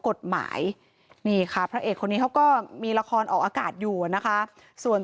กฎหมายนี่ค่ะพระเอกคนนี้เขาก็มีละครออกอากาศอยู่นะคะส่วน